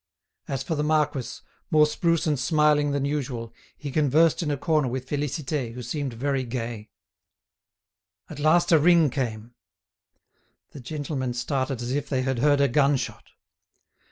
As for the marquis, more spruce and smiling than usual, he conversed in a corner with Félicité, who seemed very gay. At last a ring came. The gentlemen started as if they had heard a gun shot.